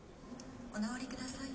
お直りください。